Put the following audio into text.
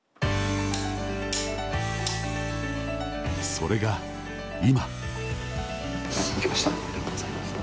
それが今。